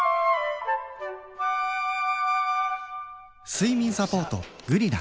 睡眠サポート「グリナ」